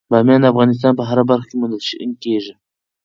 بامیان د افغانستان په هره برخه کې موندل کېږي.